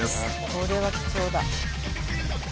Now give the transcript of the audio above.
これは貴重だ。